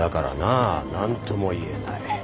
何とも言えない。